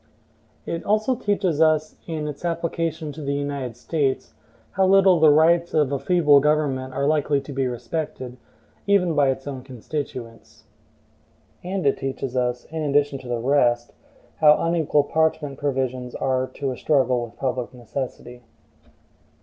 It also teaches us, in its application to the United States, how little the rights of a feeble government are likely to be respected, even by its own constituents. And it teaches us, in addition to the rest, how unequal parchment provisions are to a struggle with public necessity.